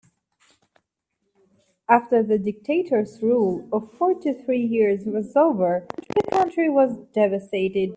After the dictator's rule of fourty three years was over, the country was devastated.